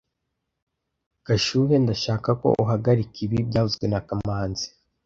Gashuhe, ndashaka ko uhagarika ibi byavuzwe na kamanzi